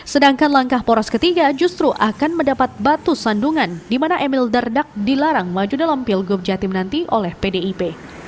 sedangkan langkah poros ketiga justru akan mendapat batu sandungan di mana emil dardak dilarang maju dalam pilgub jatim nanti oleh pdip